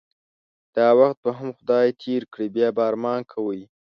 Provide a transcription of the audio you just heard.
دا وخت به هم خدای تیر کړی بیا به ارمان کوی